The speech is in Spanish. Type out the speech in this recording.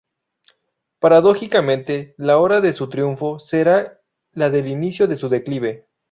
Paradójicamente, la hora de su triunfo será la del inicio de su declive.